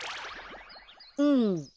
うん。